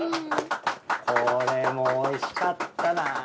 これもおいしかったな。